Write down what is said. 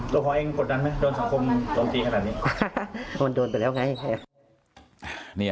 ตัวพ่อเองกดดันไหมโดนสังคมโดนตีขนาดนี้